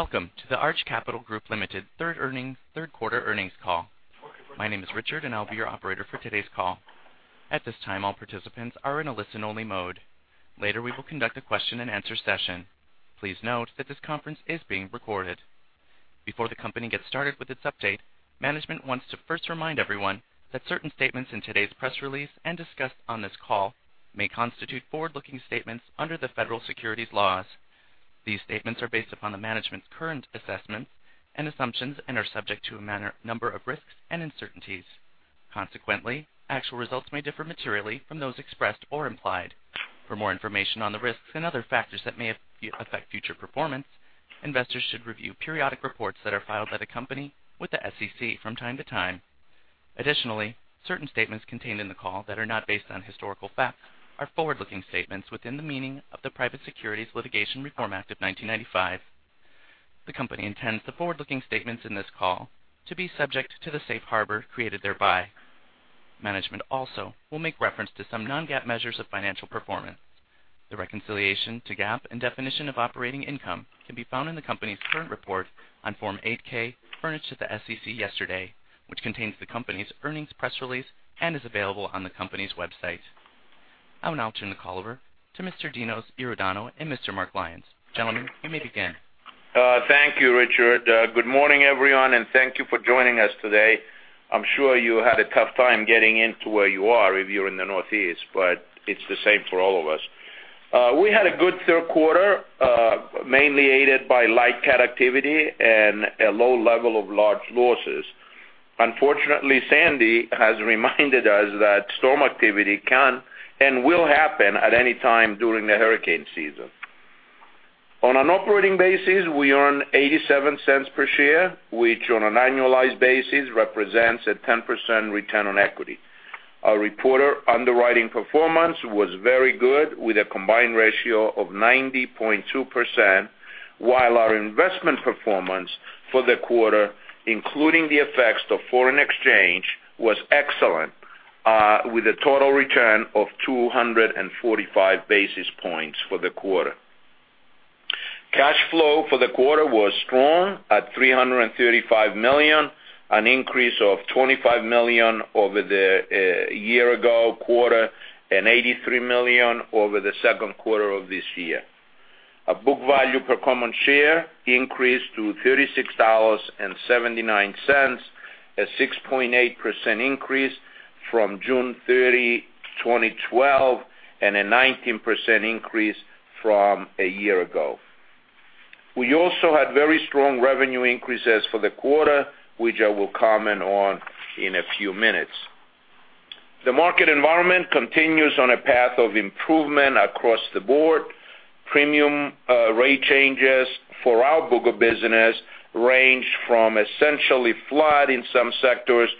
Welcome to the Arch Capital Group Ltd. third quarter earnings call. My name is Richard, and I'll be your operator for today's call. At this time, all participants are in a listen-only mode. Later, we will conduct a question and answer session. Please note that this conference is being recorded. Before the company gets started with its update, management wants to first remind everyone that certain statements in today's press release and discussed on this call may constitute forward-looking statements under the Federal Securities laws. These statements are based upon the management's current assessments and assumptions and are subject to a number of risks and uncertainties. Consequently, actual results may differ materially from those expressed or implied. For more information on the risks and other factors that may affect future performance, investors should review periodic reports that are filed by the company with the SEC from time to time. Additionally, certain statements contained in the call that are not based on historical facts are forward-looking statements within the meaning of the Private Securities Litigation Reform Act of 1995. The company intends the forward-looking statements in this call to be subject to the safe harbor created thereby. Management also will make reference to some non-GAAP measures of financial performance. The reconciliation to GAAP and definition of operating income can be found in the company's current report on Form 8-K furnished to the SEC yesterday, which contains the company's earnings press release and is available on the company's website. I will now turn the call over to Mr. Dinos Iordanou and Mr. Mark Lyons. Gentlemen, you may begin. Thank you, Richard. Good morning, everyone, and thank you for joining us today. I'm sure you had a tough time getting into where you are if you're in the Northeast, but it's the same for all of us. We had a good third quarter, mainly aided by light cat activity and a low level of large losses. Unfortunately, Sandy has reminded us that storm activity can and will happen at any time during the hurricane season. On an operating basis, we earn $0.87 per share, which on an annualized basis represents a 10% return on equity. Our reporter underwriting performance was very good, with a combined ratio of 90.2%, while our investment performance for the quarter, including the effects of foreign exchange, was excellent, with a total return of 245 basis points for the quarter. Cash flow for the quarter was strong at $335 million, an increase of $25 million over the year ago quarter and $83 million over the second quarter of this year. Our book value per common share increased to $36.79, a 6.8% increase from June 30, 2012, and a 19% increase from a year ago. We also had very strong revenue increases for the quarter, which I will comment on in a few minutes. The market environment continues on a path of improvement across the board. Premium rate changes for our book of business range from essentially flat in some sectors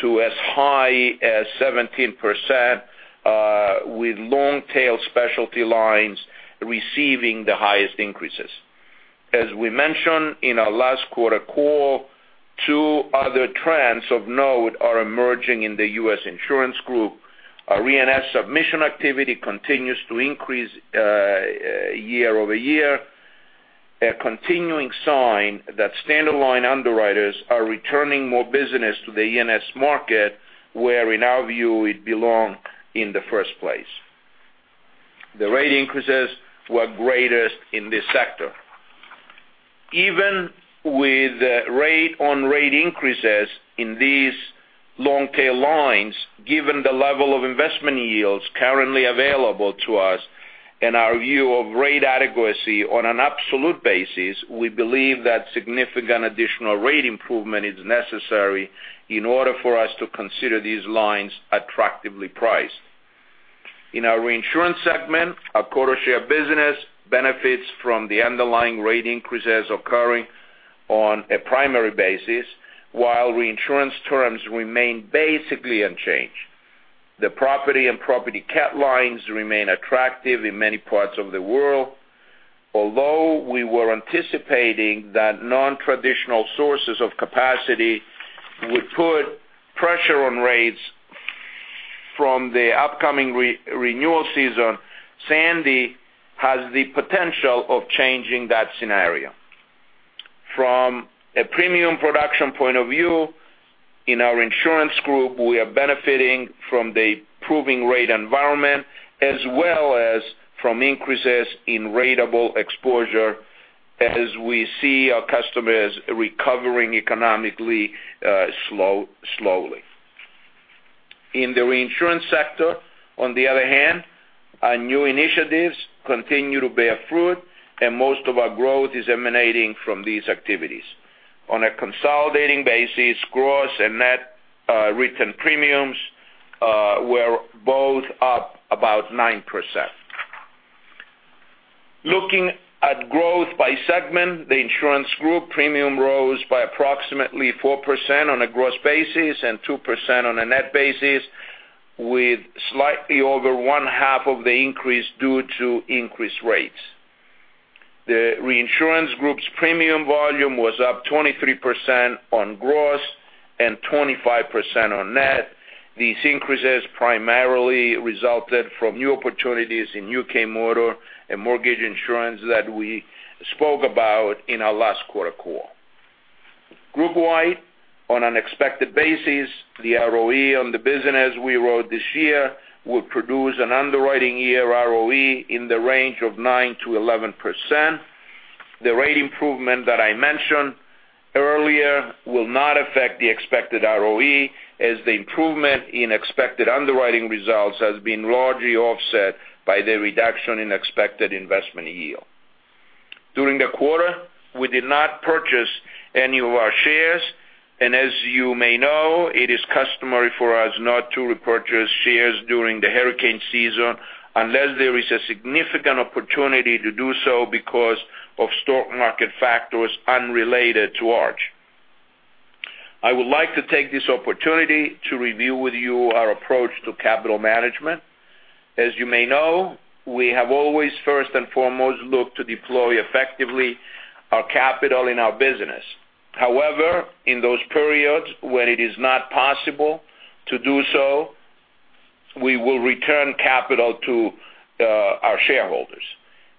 to as high as 17%, with long-tail specialty lines receiving the highest increases. As we mentioned in our last quarter call, two other trends of note are emerging in the U.S. insurance group. Our re/insurance submission activity continues to increase year-over-year, a continuing sign that stand-alone underwriters are returning more business to the re/insurance market, where in our view it belonged in the first place. The rate increases were greatest in this sector. Even with rate on rate increases in these long-tail lines, given the level of investment yields currently available to us and our view of rate adequacy on an absolute basis, we believe that significant additional rate improvement is necessary in order for us to consider these lines attractively priced. In our reinsurance segment, our quota share business benefits from the underlying rate increases occurring on a primary basis while reinsurance terms remain basically unchanged. The property and property cat lines remain attractive in many parts of the world. Although we were anticipating that non-traditional sources of capacity would put pressure on rates from the upcoming renewal season, Sandy has the potential of changing that scenario. From a premium production point of view, in our Insurance Group, we are benefiting from the improving rate environment as well as from increases in ratable exposure as we see our customers recovering economically slowly. In the Reinsurance Sector, on the other hand, our new initiatives continue to bear fruit, and most of our growth is emanating from these activities. On a consolidating basis, gross and net written premiums were both up about 9%. Looking at growth by segment, the Insurance Group premium rose by approximately 4% on a gross basis and 2% on a net basis, with slightly over one-half of the increase due to increased rates. The Reinsurance Group's premium volume was up 23% on gross, 25% on net. These increases primarily resulted from new opportunities in U.K. motor and mortgage insurance that we spoke about in our last quarter call. Group wide, on an expected basis, the ROE on the business we wrote this year will produce an underwriting year ROE in the range of 9%-11%. The rate improvement that I mentioned earlier will not affect the expected ROE, as the improvement in expected underwriting results has been largely offset by the reduction in expected investment yield. During the quarter, we did not purchase any of our shares, and as you may know, it is customary for us not to repurchase shares during the hurricane season unless there is a significant opportunity to do so because of stock market factors unrelated to Arch. I would like to take this opportunity to review with you our approach to capital management. As you may know, we have always first and foremost looked to deploy effectively our capital in our business. However, in those periods where it is not possible to do so, we will return capital to our shareholders.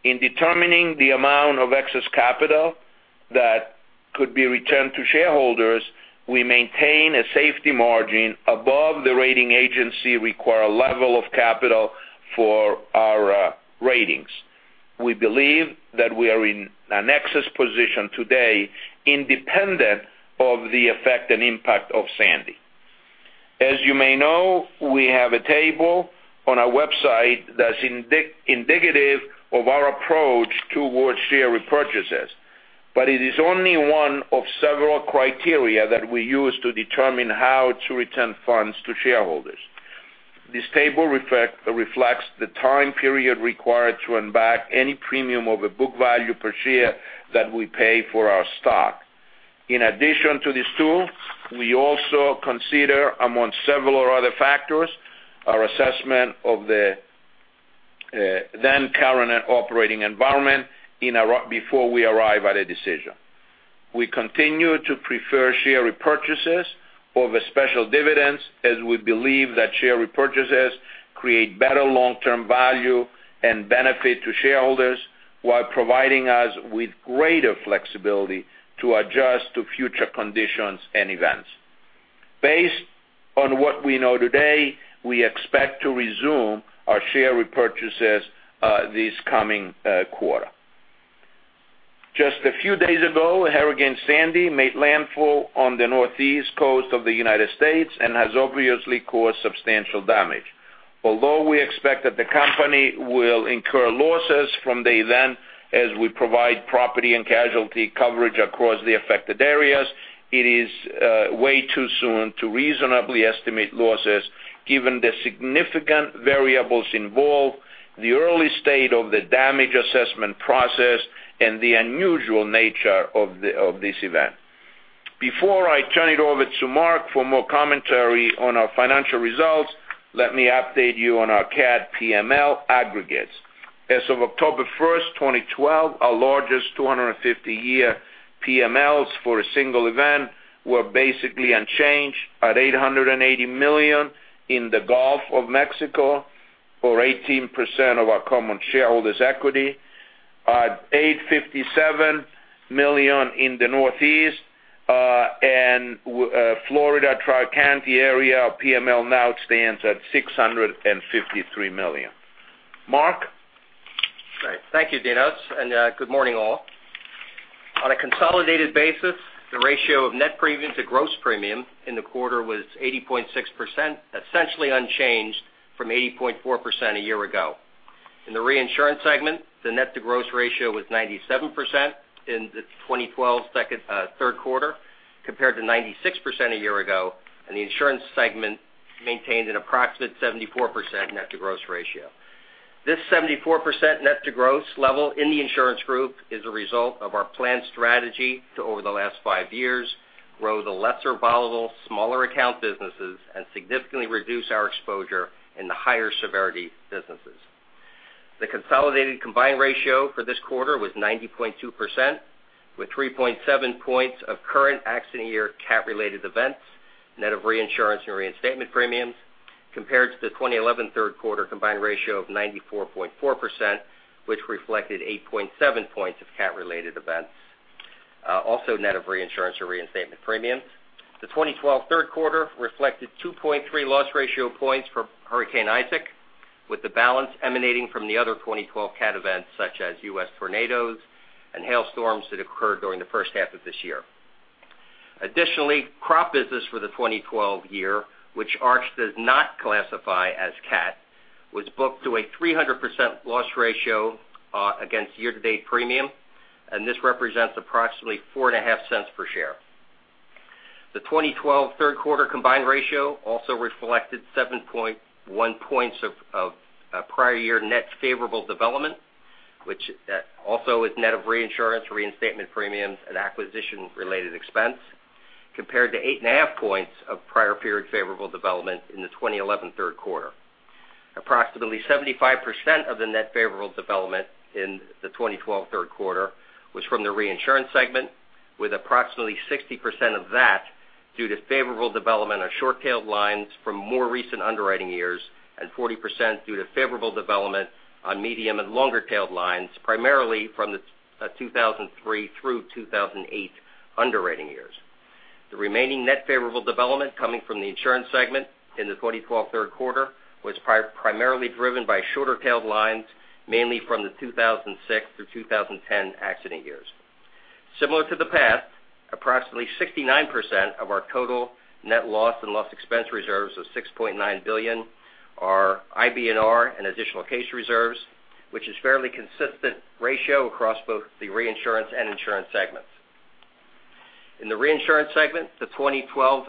In determining the amount of excess capital that could be returned to shareholders, we maintain a safety margin above the rating agency required level of capital for our ratings. We believe that we are in an excess position today independent of the effect and impact of Sandy. As you may know, we have a table on our website that's indicative of our approach towards share repurchases, but it is only one of several criteria that we use to determine how to return funds to shareholders. This table reflects the time period required to unback any premium over book value per share that we pay for our stock. In addition to this tool, we also consider, among several other factors, our assessment of the then current operating environment before we arrive at a decision. We continue to prefer share repurchases over special dividends, as we believe that share repurchases create better long-term value and benefit to shareholders while providing us with greater flexibility to adjust to future conditions and events. Based on what we know today, we expect to resume our share repurchases this coming quarter. Just a few days ago, Hurricane Sandy made landfall on the northeast coast of the U.S. and has obviously caused substantial damage. Although we expect that the company will incur losses from the event as we provide property and casualty coverage across the affected areas, it is way too soon to reasonably estimate losses given the significant variables involved, the early state of the damage assessment process, and the unusual nature of this event. Before I turn it over to Mark for more commentary on our financial results, let me update you on our cat PML aggregates. As of October 1st, 2012, our largest 250-year PMLs for a single event were basically unchanged at $880 million in the Gulf of Mexico, or 18% of our common shareholders' equity. At $857 million in the Northeast and Florida Tri-County area, our PML now stands at $653 million. Mark? Great. Thank you, Dinos. Good morning all. On a consolidated basis, the ratio of net premium to gross premium in the quarter was 80.6%, essentially unchanged from 80.4% a year ago. In the reinsurance segment, the net-to-gross ratio was 97% in the 2012 third quarter, compared to 96% a year ago. The insurance segment maintained an approximate 74% net-to-gross ratio. This 74% net-to-gross level in the insurance group is a result of our planned strategy to, over the last five years, grow the lesser volatile, smaller account businesses and significantly reduce our exposure in the higher severity businesses. The consolidated combined ratio for this quarter was 90.2%, with 3.7 points of current accident year cat-related events, net of reinsurance and reinstatement premiums, compared to the 2011 third quarter combined ratio of 94.4%, which reflected 8.7 points of cat-related events, also net of reinsurance or reinstatement premiums. The 2012 third quarter reflected 2.3 loss ratio points for Hurricane Isaac, with the balance emanating from the other 2012 cat events, such as U.S. tornadoes and hailstorms that occurred during the first half of this year. Additionally, crop business for the 2012 year, which Arch does not classify as cat, was booked to a 300% loss ratio against year-to-date premium. This represents approximately $0.045 per share. The 2012 third quarter combined ratio also reflected 7.1 points of prior year net favorable development, which also is net of reinsurance, reinstatement premiums, acquisition related expense, compared to 8.5 points of prior period favorable development in the 2011 third quarter. Approximately 75% of the net favorable development in the 2012 third quarter was from the reinsurance segment, with approximately 60% of that due to favorable development on short-tailed lines from more recent underwriting years and 40% due to favorable development on medium and longer-tailed lines, primarily from the 2003 through 2008 underwriting years. The remaining net favorable development coming from the insurance segment in the 2012 third quarter was primarily driven by shorter-tailed lines, mainly from the 2006 through 2010 accident years. Similar to the past, approximately 69% of our total net loss and loss expense reserves of $6.9 billion are IBNR and additional case reserves, which is a fairly consistent ratio across both the reinsurance and insurance segments. In the reinsurance segment, the 2012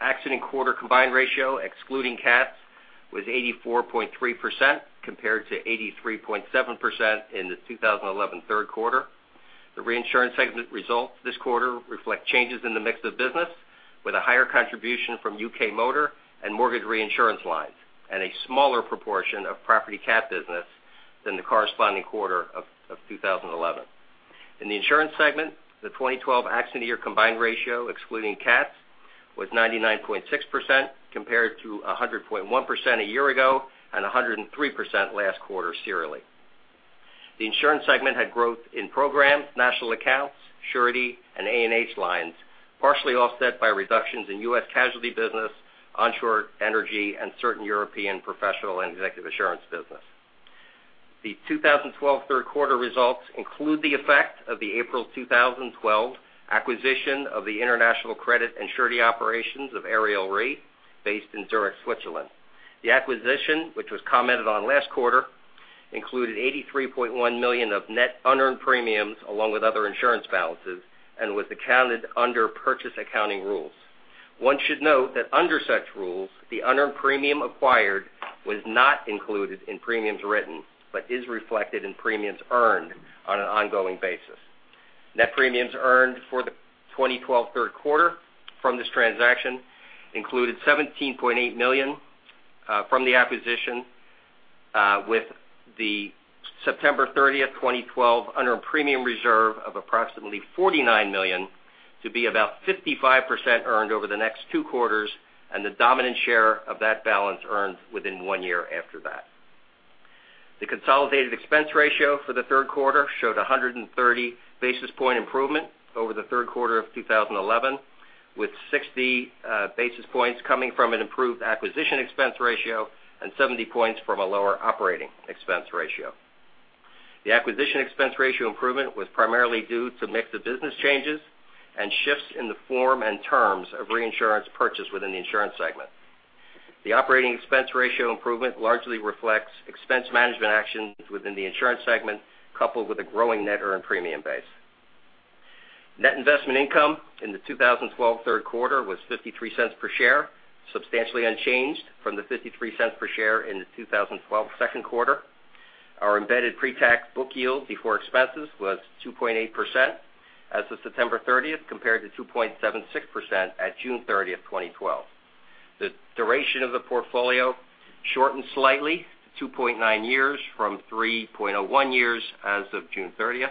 accident quarter combined ratio, excluding cats, was 84.3%, compared to 83.7% in the 2011 third quarter. The reinsurance segment results this quarter reflect changes in the mix of business with a higher contribution from U.K. motor and mortgage reinsurance lines, and a smaller proportion of property cat business than the corresponding quarter of 2011. In the insurance segment, the 2012 accident year combined ratio, excluding cats, was 99.6%, compared to 100.1% a year ago and 103% last quarter serially. The insurance segment had growth in programs, national accounts, surety, and A&H lines, partially offset by reductions in U.S. casualty business, onshore energy, and certain European professional and executive assurance business. The 2012 third quarter results include the effect of the April 2012 acquisition of the international credit and surety operations of Ariel Re, based in Zurich, Switzerland. The acquisition, which was commented on last quarter, included $83.1 million of net unearned premiums along with other insurance balances and was accounted under purchase accounting rules. One should note that under such rules, the unearned premium acquired was not included in premiums written but is reflected in premiums earned on an ongoing basis. Net premiums earned for the 2012 third quarter from this transaction included $17.8 million from the acquisition, with the September 30, 2012, unearned premium reserve of approximately $49 million to be about 55% earned over the next two quarters, and the dominant share of that balance earned within one year after that. The consolidated expense ratio for the third quarter showed 130 basis points improvement over the third quarter of 2011, with 60 basis points coming from an improved acquisition expense ratio and 70 points from a lower operating expense ratio. The acquisition expense ratio improvement was primarily due to mix of business changes and shifts in the form and terms of reinsurance purchase within the insurance segment. The operating expense ratio improvement largely reflects expense management actions within the insurance segment, coupled with a growing net earned premium base. Net investment income in the 2012 third quarter was $0.53 per share, substantially unchanged from the $0.53 per share in the 2012 second quarter. Our embedded pre-tax book yield before expenses was 2.8% as of September 30, compared to 2.76% at June 30, 2012. The duration of the portfolio shortened slightly to 2.9 years from 3.01 years as of June 30.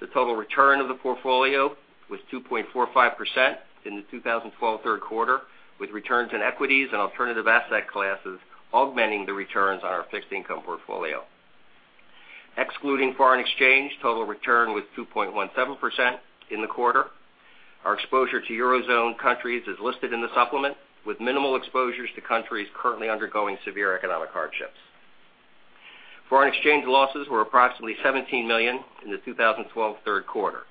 The total return of the portfolio was 2.45% in the 2012 third quarter, with returns in equities and alternative asset classes augmenting the returns on our fixed income portfolio. Excluding foreign exchange, total return was 2.17% in the quarter. Our exposure to Eurozone countries is listed in the supplement, with minimal exposures to countries currently undergoing severe economic hardships. Foreign exchange losses were approximately $17 million in the 2012 third quarter.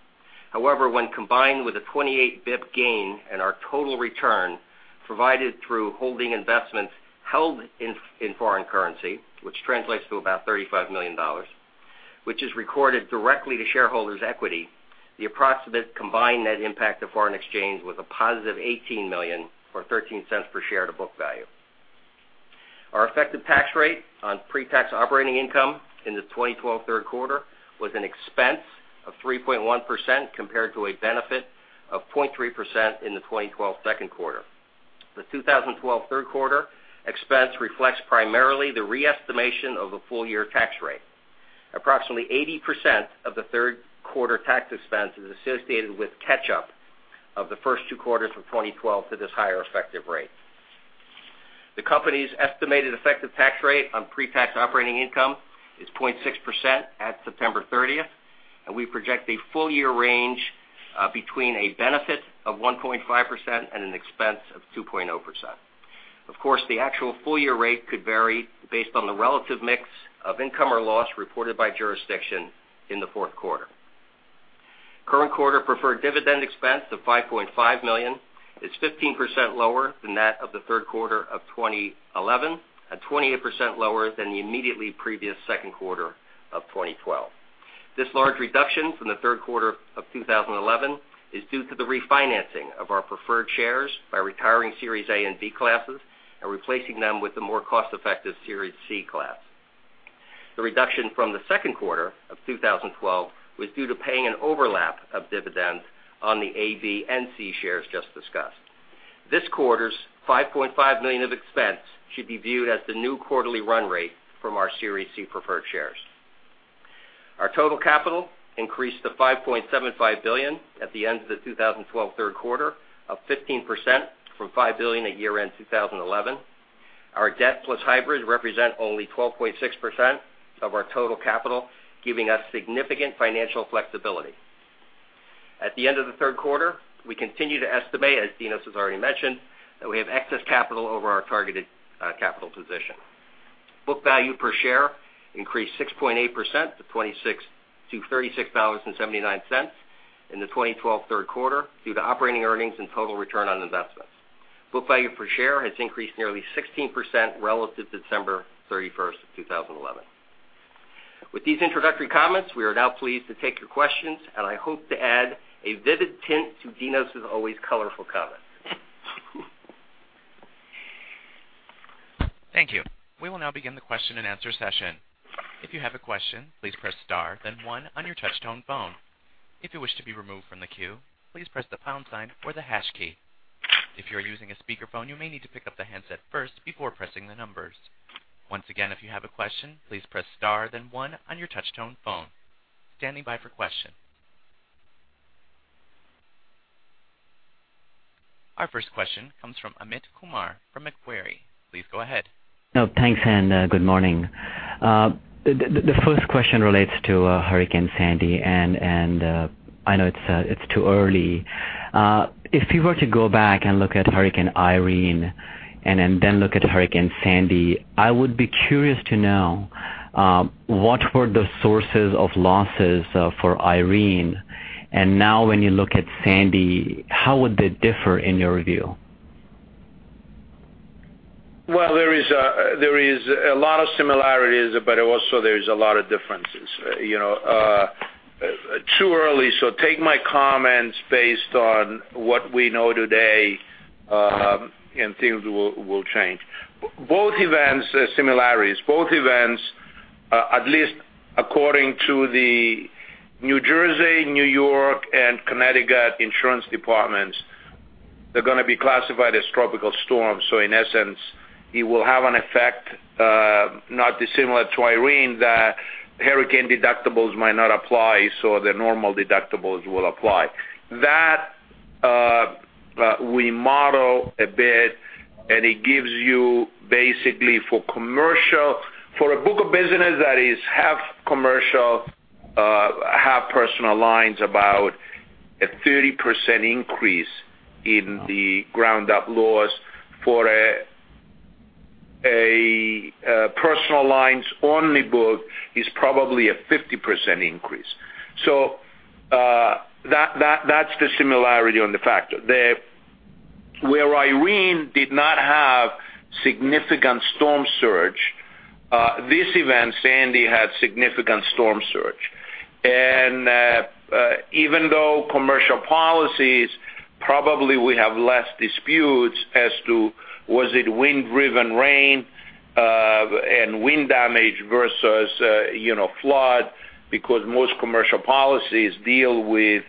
However, when combined with a 28 basis point gain and our total return provided through holding investments held in foreign currency, which translates to about $35 million, which is recorded directly to shareholders' equity, the approximate combined net impact of foreign exchange was a positive $18 million or $0.13 per share to book value. Our effective tax rate on pre-tax operating income in the 2012 third quarter was an expense of 3.1% compared to a benefit of 0.3% in the 2012 second quarter. The 2012 third quarter expense reflects primarily the re-estimation of a full-year tax rate. Approximately 80% of the third quarter tax expense is associated with catch-up of the first two quarters of 2012 to this higher effective rate. The company's estimated effective tax rate on pre-tax operating income is 0.6% at September 30th, and we project a full-year range between a benefit of 1.5% and an expense of 2.0%. Of course, the actual full-year rate could vary based on the relative mix of income or loss reported by jurisdiction in the fourth quarter. Current quarter preferred dividend expense of $5.5 million is 15% lower than that of the third quarter of 2011 and 28% lower than the immediately previous second quarter of 2012. This large reduction from the third quarter of 2011 is due to the refinancing of our preferred shares by retiring Series A and Series B classes and replacing them with the more cost-effective Series C class. The reduction from the second quarter of 2012 was due to paying an overlap of dividends on the Series A and Series C shares just discussed. This quarter's $5.5 million of expense should be viewed as the new quarterly run rate from our Series C preferred shares. Our total capital increased to $5.75 billion at the end of the 2012 third quarter, up 15% from $5 billion at year-end 2011. Our debt plus hybrids represent only 12.6% of our total capital, giving us significant financial flexibility. At the end of the third quarter, we continue to estimate, as Dinos has already mentioned, that we have excess capital over our targeted capital position. Book value per share increased 6.8% to $36.79 in the 2012 third quarter due to operating earnings and total return on investments. Book value per share has increased nearly 16% relative to December 31st of 2011. With these introductory comments, we are now pleased to take your questions, and I hope to add a vivid tint to Dinos' always colorful comments. Thank you. We will now begin the question and answer session. If you have a question, please press star then one on your touch tone phone. If you wish to be removed from the queue, please press the pound sign or the hash key. If you are using a speakerphone, you may need to pick up the handset first before pressing the numbers. Once again, if you have a question, please press star then one on your touch tone phone. Standing by for question. Our first question comes from Amit Kumar from Macquarie. Please go ahead. Thanks and good morning. The first question relates to Hurricane Sandy. I know it's too early. If you were to go back and look at Hurricane Irene, then look at Hurricane Sandy, I would be curious to know what were the sources of losses for Irene? Now when you look at Sandy, how would they differ in your view? Well, there is a lot of similarities. There's a lot of differences. Too early. Take my comments based on what we know today. Things will change. Both events, similarities. Both events, at least according to the New Jersey, New York, and Connecticut insurance departments, they're going to be classified as tropical storms. In essence, it will have an effect not dissimilar to Irene, that hurricane deductibles might not apply. The normal deductibles will apply. That we model a bit. It gives you basically for a book of business that is half commercial, half personal lines, about a 30% increase in the ground up loss. For a personal lines only book is probably a 50% increase. That's the similarity on the factor. Where Irene did not have significant storm surge, this event, Sandy, had significant storm surge. Even though commercial policies probably would have less disputes as to was it wind-driven rain and wind damage versus flood because most commercial policies deal with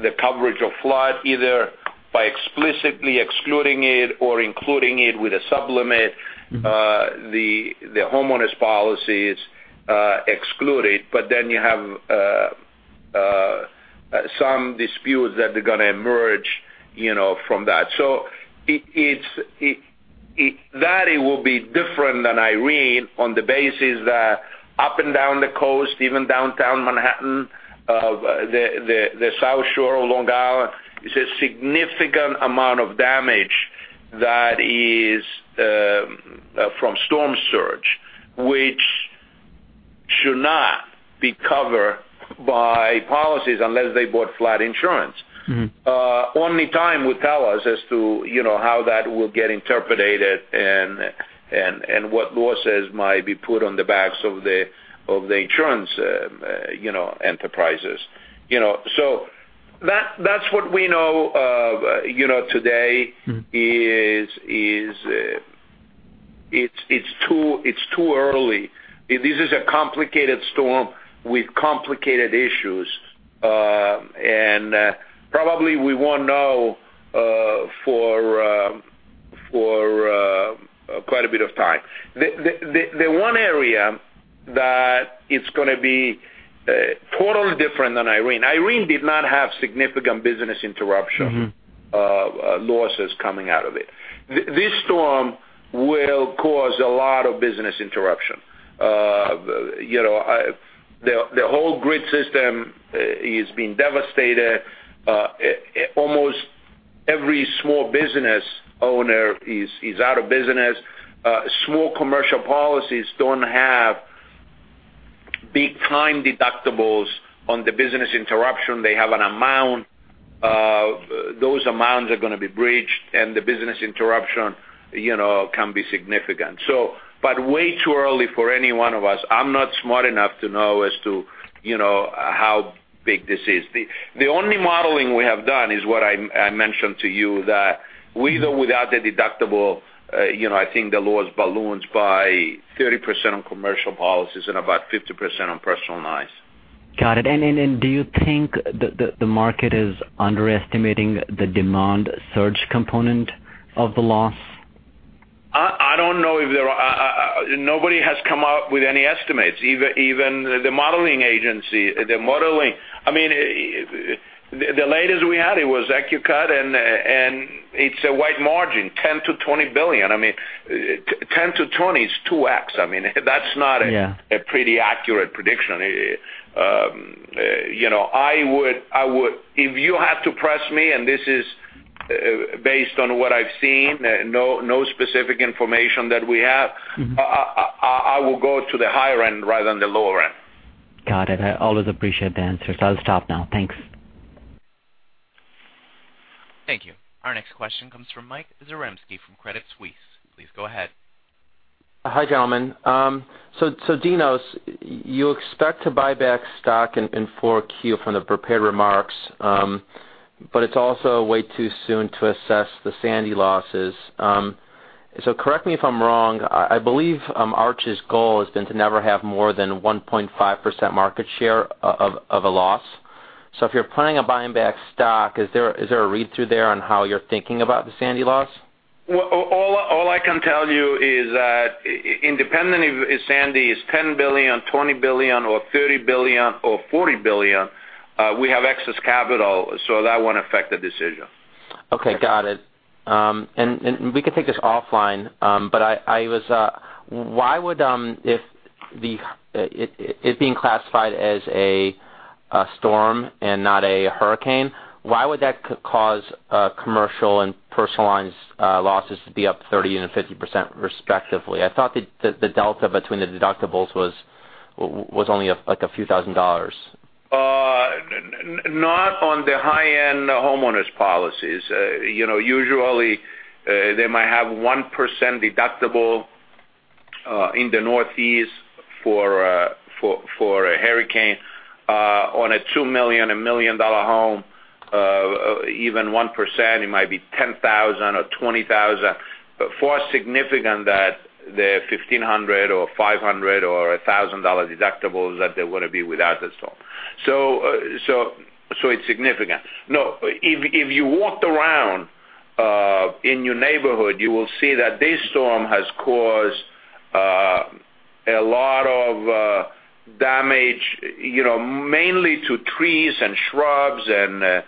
the coverage of flood, either by explicitly excluding it or including it with a sub-limit. The homeowners policies exclude it. You have some disputes that they're going to emerge from that. That it will be different than Irene on the basis that up and down the coast, even downtown Manhattan, the South Shore of Long Island, is a significant amount of damage that is from storm surge, which should not be covered by policies unless they bought flood insurance. Only time will tell us as to how that will get interpreted and what losses might be put on the backs of the insurance enterprises. That's what we know today is it's too early. This is a complicated storm with complicated issues. Probably we won't know for quite a bit of time. The one area that it's going to be totally different than Irene. Irene did not have significant business interruption losses coming out of it. This storm will cause a lot of business interruption. The whole grid system is being devastated. Almost every small business owner is out of business. Small commercial policies don't have big time deductibles on the business interruption. They have an amount. Those amounts are going to be breached. The business interruption can be significant. Way too early for any one of us. I'm not smart enough to know. You know how big this is. The only modeling we have done is what I mentioned to you that with or without the deductible, I think the loss balloons by 30% on commercial policies and about 50% on personal lines. Got it. Do you think the market is underestimating the demand surge component of the loss? I don't know. Nobody has come up with any estimates, even the modeling agency. The latest we had, it was EQECAT, it's a wide margin, $10 billion-$20 billion. 10 to 20 is 2x. That's not a pretty accurate prediction. If you have to press me, this is based on what I've seen, no specific information that we have, I will go to the higher end rather than the lower end. Got it. I always appreciate the answers. I'll stop now. Thanks. Thank you. Our next question comes from Michael Zaremski from Credit Suisse. Please go ahead. Hi, gentlemen. Dinos, you expect to buy back stock in 4Q from the prepared remarks, but it's also way too soon to assess the Hurricane Sandy losses. Correct me if I'm wrong, I believe Arch's goal has been to never have more than 1.5% market share of a loss. If you're planning on buying back stock, is there a read-through there on how you're thinking about the Hurricane Sandy loss? Well, all I can tell you is that independent if Hurricane Sandy is $10 billion, $20 billion, or $30 billion or $40 billion, we have excess capital, so that won't affect the decision. Okay, got it. We can take this offline. It being classified as a storm and not a hurricane, why would that cause commercial and personal lines losses to be up 30% and 50% respectively? I thought that the delta between the deductibles was only a few thousand dollars. Not on the high-end homeowners policies. Usually, they might have 1% deductible in the Northeast for a hurricane on a $2 million, $1 million home. Even 1%, it might be $10,000 or $20,000. Far significant that the $1,500 or $500 or $1,000 deductibles that they would be without the storm. It's significant. No, if you walked around in your neighborhood, you will see that this storm has caused a lot of damage, mainly to trees and shrubs and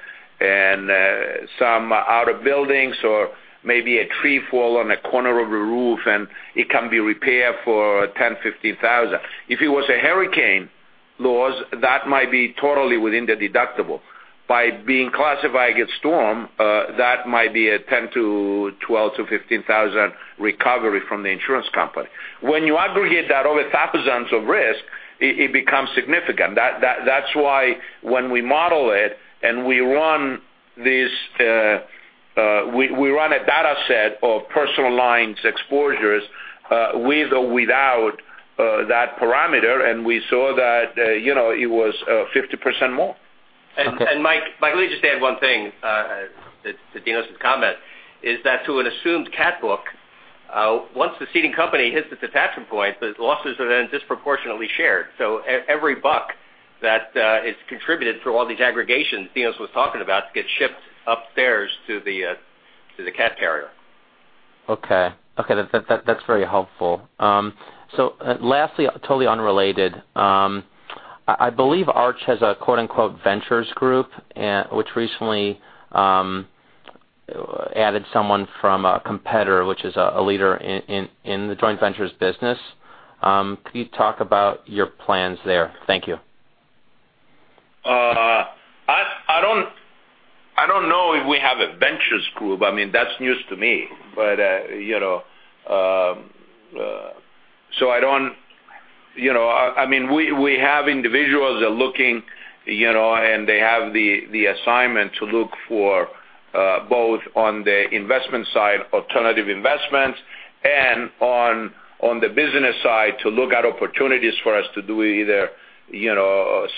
some outer buildings or maybe a tree fall on a corner of a roof, and it can be repaired for $10,000, $15,000. If it was a hurricane loss, that might be totally within the deductible. By being classified as storm, that might be a $10,000 to $12,000 to $15,000 recovery from the insurance company. When you aggregate that over thousands of risks, it becomes significant. That's why when we model it, and we run a data set of personal lines exposures with or without that parameter, and we saw that it was 50% more. Okay. Mike, let me just add one thing to Dinos' comment, is that to an assumed cat book, once the ceding company hits its attachment point, the losses are then disproportionately shared. Every buck that is contributed through all these aggregations Dinos was talking about gets shipped upstairs to the cat carrier. Okay. That's very helpful. Lastly, totally unrelated. I believe Arch has a quote-unquote ventures group, which recently added someone from a competitor, which is a leader in the joint ventures business. Could you talk about your plans there? Thank you. I don't know if we have a ventures group. That's news to me. We have individuals that are looking, and they have the assignment to look for both on the investment side, alternative investments, and on the business side, to look at opportunities for us to do either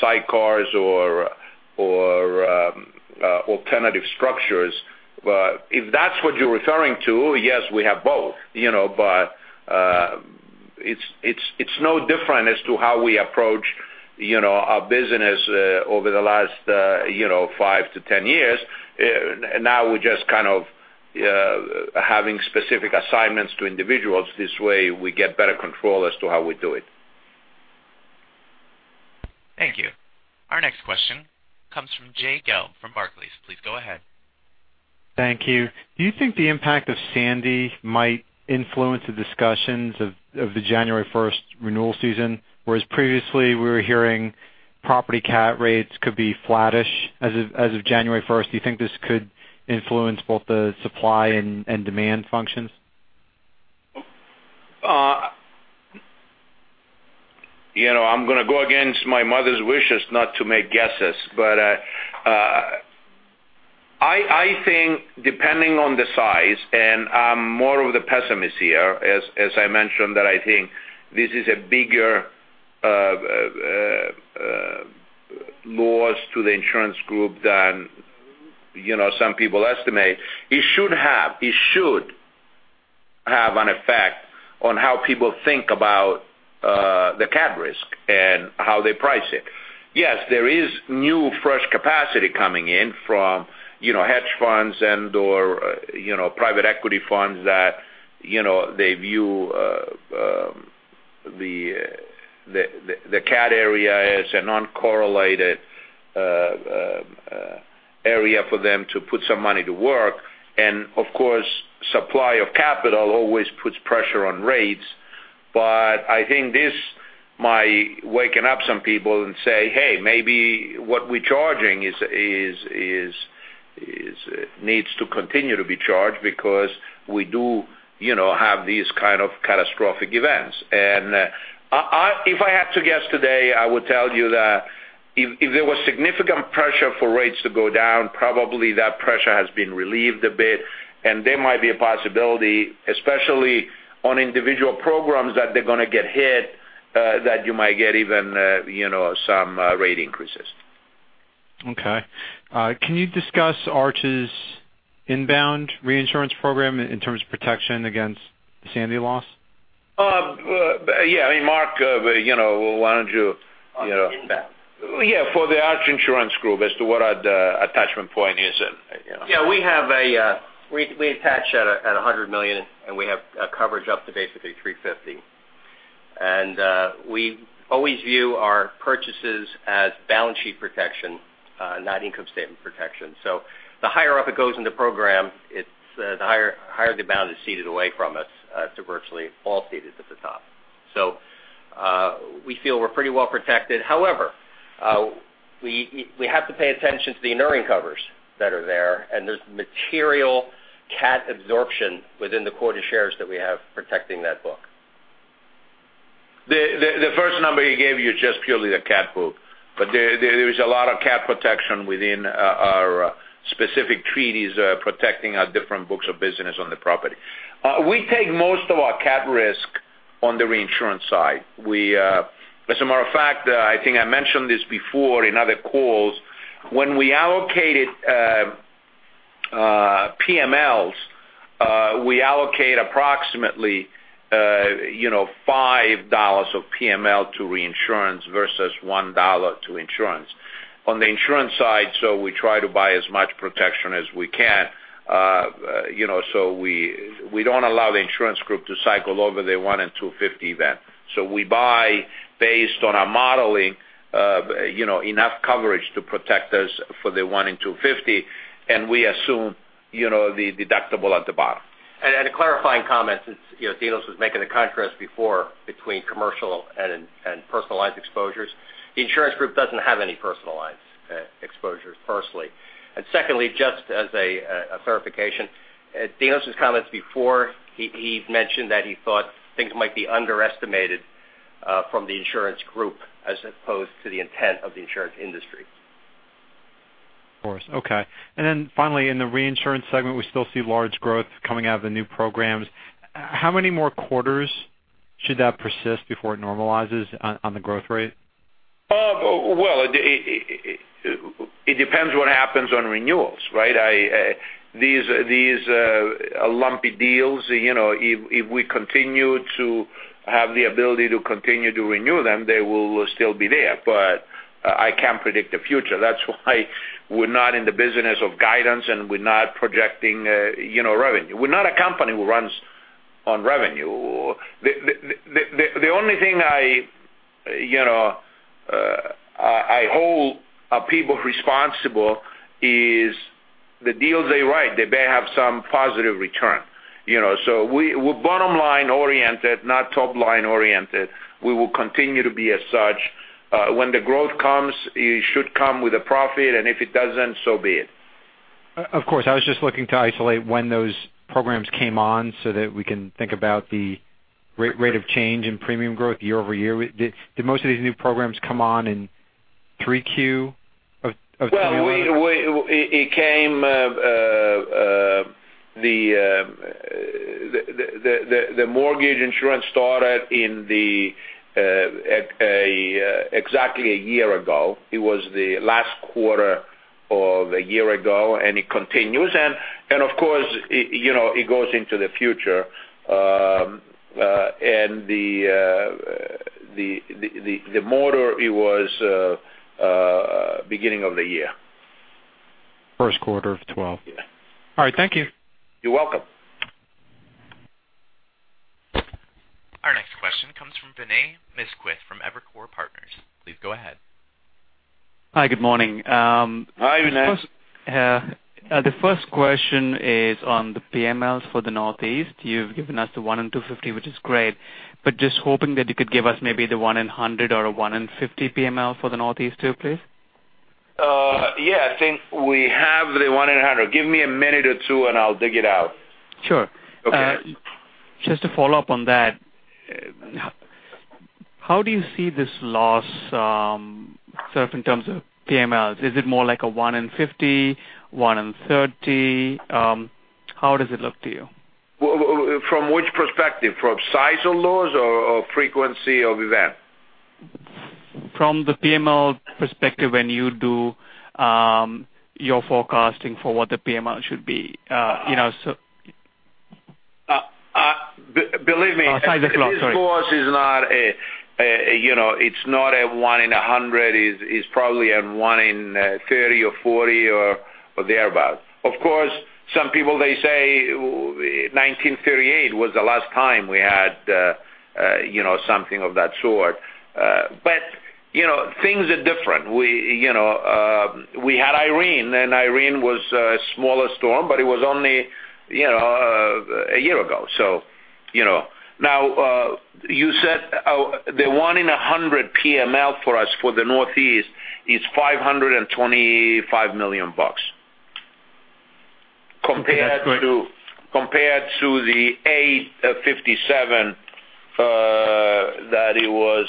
side cars or alternative structures. If that's what you're referring to, yes, we have both. It's no different as to how we approach our business over the last five to 10 years. Now we're just kind of having specific assignments to individuals. This way, we get better control as to how we do it. Thank you. Our next question comes from Jay Gelb from Barclays. Please go ahead. Thank you. Do you think the impact of Sandy might influence the discussions of the January 1st renewal season? Whereas previously we were hearing property cat rates could be flattish as of January 1st, do you think this could influence both the supply and demand functions? I'm going to go against my mother's wishes not to make guesses, but depending on the size, and I'm more of the pessimist here, as I mentioned that I think this is a bigger loss to the insurance group than some people estimate. It should have an effect on how people think about the cat risk and how they price it. Yes, there is new, fresh capacity coming in from hedge funds and/or private equity funds that view the cat area as an uncorrelated area for them to put some money to work. Of course, supply of capital always puts pressure on rates. I think this might waking up some people and say, "Hey, maybe what we're charging needs to continue to be charged because we do have these kind of catastrophic events." If I had to guess today, I would tell you that if there was significant pressure for rates to go down, probably that pressure has been relieved a bit, and there might be a possibility, especially on individual programs that they're going to get hit, that you might get even some rate increases. Can you discuss Arch's inbound reinsurance program in terms of protection against Sandy loss? Mark, why don't you- On inbound? For the Arch Insurance Group as to what our attachment point is. We attach at $100 million, and we have coverage up to basically $350 million. We always view our purchases as balance sheet protection, not income statement protection. The higher up it goes in the program, the higher the bound is ceded away from us to virtually all ceded at the top. We feel we're pretty well protected. However, we have to pay attention to the inuring covers that are there, and there's material cat absorption within the quarter shares that we have protecting that book. The first number he gave you is just purely the cat book, but there is a lot of cat protection within our specific treaties protecting our different books of business on the property. We take most of our cat risk on the reinsurance side. As a matter of fact, I think I mentioned this before in other calls. When we allocated PMLs, we allocate approximately $5 of PML to reinsurance versus $1 to insurance. On the insurance side, we try to buy as much protection as we can. We don't allow the insurance group to cycle over the one in 250 event. We buy based on our modeling enough coverage to protect us for the one in 250, and we assume the deductible at the bottom. A clarifying comment since Dinos was making a contrast before between commercial and personal lines exposures. The insurance group doesn't have any personal lines exposures personally. Secondly, just as a clarification, Dinos' comments before, he mentioned that he thought things might be underestimated from the insurance group as opposed to the intent of the insurance industry. Of course. Okay. Finally, in the reinsurance segment, we still see large growth coming out of the new programs. How many more quarters should that persist before it normalizes on the growth rate? Well, it depends what happens on renewals, right? These lumpy deals, if we continue to have the ability to continue to renew them, they will still be there. I can't predict the future. That's why we're not in the business of guidance, and we're not projecting revenue. We're not a company who runs on revenue. The only thing I hold our people responsible is the deals they write. They better have some positive return. We're bottom line oriented, not top line oriented. We will continue to be as such. When the growth comes, it should come with a profit, and if it doesn't, so be it. Of course. I was just looking to isolate when those programs came on so that we can think about the rate of change in premium growth year-over-year. Did most of these new programs come on in 3Q of 2021? Well, the mortgage insurance started exactly a year ago. It was the last quarter of a year ago, and it continues. Of course, it goes into the future. The motor, it was beginning of the year. First quarter of 2012. Yeah. All right. Thank you. You're welcome. Our next question comes from Vinay Misquith from Evercore Partners. Please go ahead. Hi. Good morning. Hi, Vinay. The first question is on the PMLs for the Northeast. You've given us the one in 250, which is great, but just hoping that you could give us maybe the one in 100 or a one in 50 PML for the Northeast too, please. Yeah, I think we have the one in 100. Give me a minute or two and I'll dig it out. Sure. Okay. Just to follow up on that, how do you see this loss surf in terms of PMLs? Is it more like a one in 50, one in 30? How does it look to you? From which perspective? From size of loss or frequency of event? From the PML perspective when you do your forecasting for what the PML should be. Believe me. Size of loss, sorry. This loss, it's not a one in 100, it's probably a one in 30 or 40 or thereabout. Of course, some people they say 1938 was the last time we had something of that sort. Things are different. We had Hurricane Irene was a smaller storm, but it was only a year ago. You said the one in 100 PML for us for the Northeast is $525 million compared to. That's great. compared to the $857 million that it was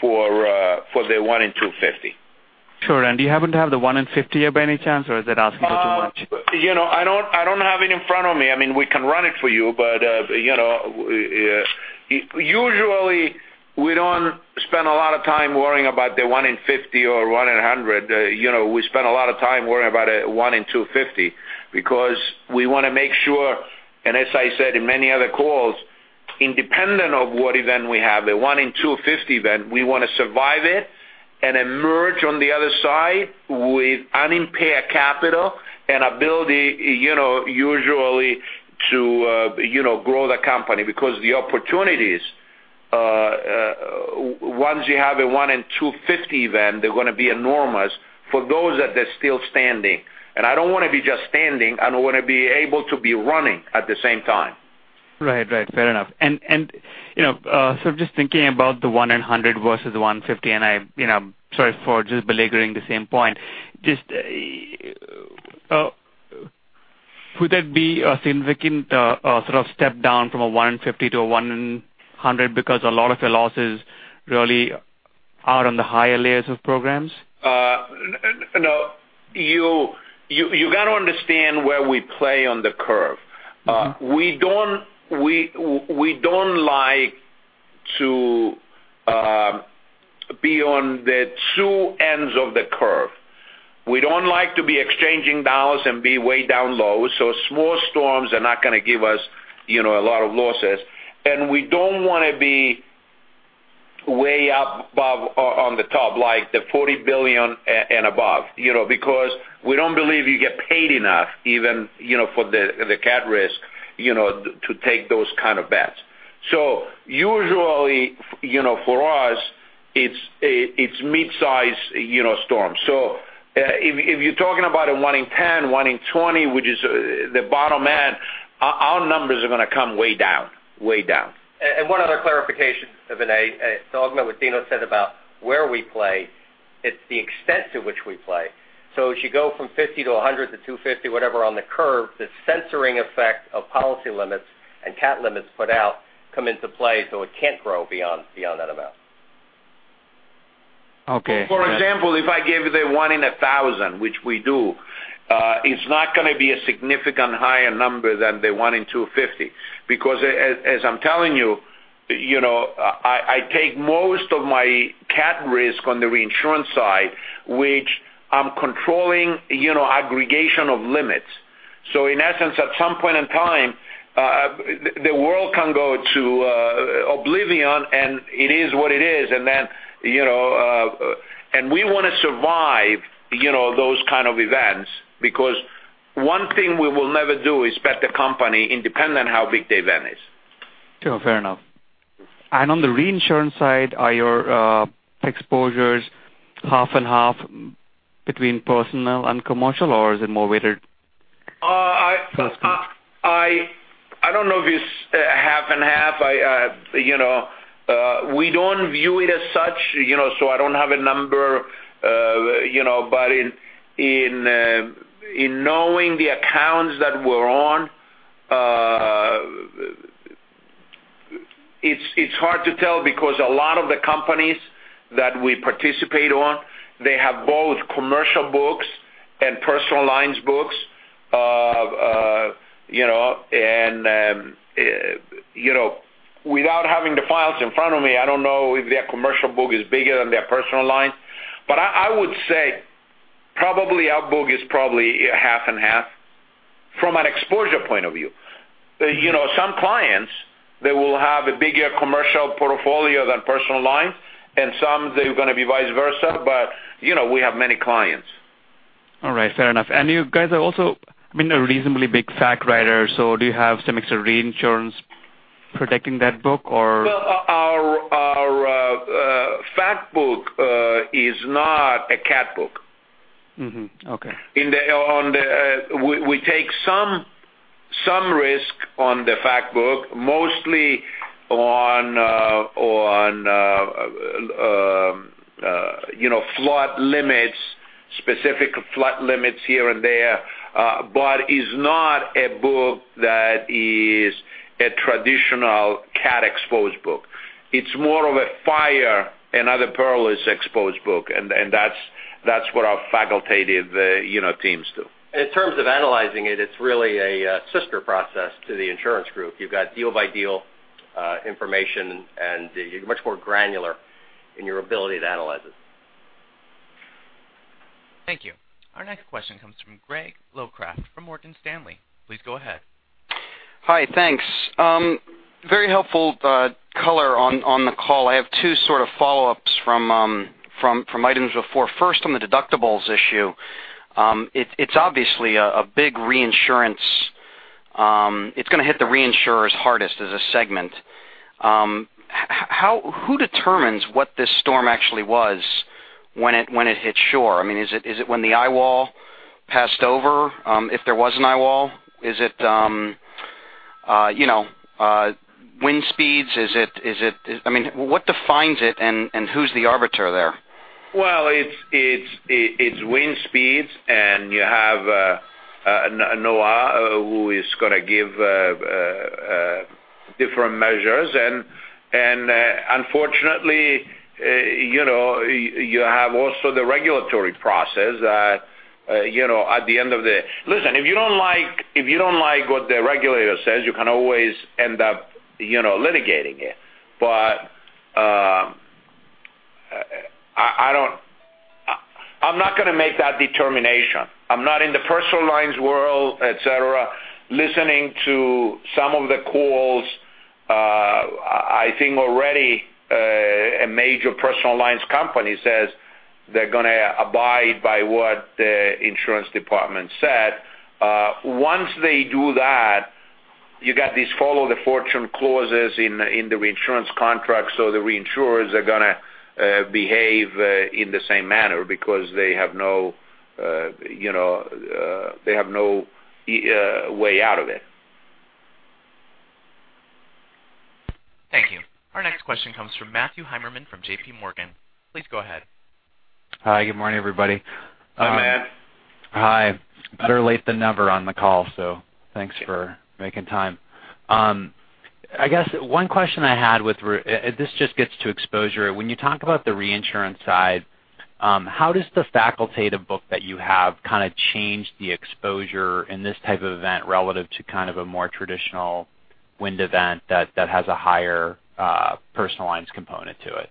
for the one in 250. Sure. Do you happen to have the one in 50 by any chance, or is it asking for too much? I don't have it in front of me. We can run it for you, usually we don't spend a lot of time worrying about the one in 50 or one in 100. We spend a lot of time worrying about a one in 250 because we want to make sure, and as I said in many other calls, independent of what event we have, a one in 250 event, we want to survive it and emerge on the other side with unimpaired capital and ability usually to grow the company because the opportunities, once you have a one in 250 event, they're going to be enormous for those that are still standing. I don't want to be just standing, I want to be able to be running at the same time. Right. Fair enough. Just thinking about the one in 100 versus one in 50, and sorry for just beleaguering the same point. Just could that be a significant sort of step down from a one in 50 to a one in 100 because a lot of the losses really are on the higher layers of programs? No. You got to understand where we play on the curve. We don't like to be on the two ends of the curve. We don't like to be exchanging $ and be way down low, small storms are not going to give us a lot of losses. We don't want to be way up above on the top, like the $40 billion and above because we don't believe you get paid enough even for the cat risk to take those kind of bets. Usually, for us, it's mid-size storms. If you're talking about a 1 in 10, 1 in 20, which is the bottom end, our numbers are going to come way down. One other clarification, Vinay. Talking about what Dino said about where we play, it's the extent to which we play. As you go from 50 to 100 to 250, whatever on the curve, the censoring effect of policy limits and cat limits put out come into play, it can't grow beyond that amount. Okay. For example, if I gave you the 1 in 1,000, which we do, it's not going to be a significant higher number than the 1 in 250 because as I'm telling you, I take most of my cat risk on the reinsurance side, which I'm controlling aggregation of limits. In essence, at some point in time, the world can go to oblivion, it is what it is. We want to survive those kind of events because one thing we will never do is bet the company independent how big the event is. Sure. Fair enough. On the reinsurance side, are your exposures half and half between personal and commercial, or is it more weighted to us? I don't know if it's half and half. We don't view it as such, so I don't have a number, but in knowing the accounts that we're on, it's hard to tell because a lot of the companies that we participate on, they have both commercial books and personal lines books. Without having the files in front of me, I don't know if their commercial book is bigger than their personal line. I would say probably our book is probably half and half from an exposure point of view. Some clients, they will have a bigger commercial portfolio than personal line, and some they're going to be vice versa, but we have many clients. All right. Fair enough. You guys are also a reasonably big fac writer, do you have some extra reinsurance protecting that book or? Our fac book is not a cat book. Mm-hmm. Okay. We take some risk on the fac book, mostly on flood limits, specific flood limits here and there, but is not a book that is a traditional cat exposed book. It's more of a fire and other peril exposed book, and that's what our facultative teams do. In terms of analyzing it's really a sister process to the Insurance Group. You've got deal by deal information, and you're much more granular in your ability to analyze it. Thank you. Our next question comes from Gregory Locraft from Morgan Stanley. Please go ahead. Hi, thanks. Very helpful color on the call. I have two sort of follow-ups from items before. First, on the deductibles issue. It's obviously a big reinsurance. It's going to hit the reinsurers hardest as a segment. Who determines what this storm actually was when it hit shore? I mean, is it when the eyewall passed over, if there was an eyewall? Is it wind speeds? I mean, what defines it and who's the arbiter there? Well, it's wind speeds. You have NOAA, who is going to give different measures. Unfortunately, you have also the regulatory process at the end of the Listen, if you don't like what the regulator says, you can always end up litigating it. I'm not going to make that determination. I'm not in the personal lines world, et cetera. Listening to some of the calls, I think already a major personal lines company says they're going to abide by what the insurance department said. Once they do that, you got these follow the fortune clauses in the reinsurance contract, the reinsurers are going to behave in the same manner because they have no way out of it. Thank you. Our next question comes from Matthew Heimermann from JPMorgan. Please go ahead. Hi, good morning, everybody. Hi, Matt. Hi. Better late than never on the call, thanks for making time. I guess one question I had with this just gets to exposure. When you talk about the reinsurance side, how does the facultative book that you have kind of change the exposure in this type of event relative to kind of a more traditional wind event that has a higher personal lines component to it?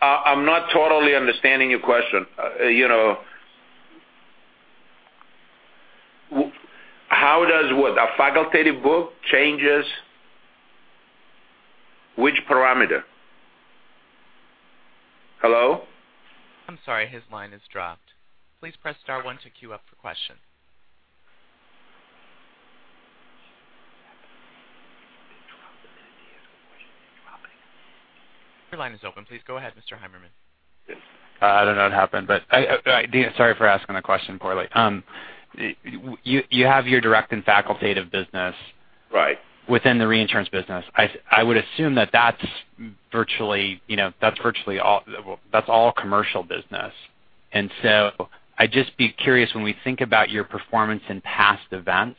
I'm not totally understanding your question. How does what? A facultative book changes which parameter? Hello? I'm sorry, his line has dropped. Please press star one to queue up for question. Your line is open. Please go ahead, Mr. Heimermann. I don't know what happened, sorry for asking the question poorly. You have your direct and facultative business. Right within the reinsurance business. I would assume that that's virtually all commercial business. I'd just be curious when we think about your performance in past events,